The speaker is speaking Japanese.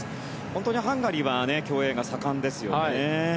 本当にハンガリーは競泳が盛んですよね。